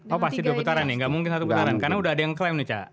oh pasti dua putaran nih gak mungkin satu putaran karena udah ada yang klaim nih cak